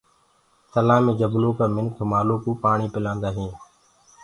تلآه مي جبلو ڪآ مِنک مآلو ڪوُ پآڻي پِلآندآ هينٚ۔